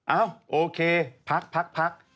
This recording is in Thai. เอ้าโอเคพักพัก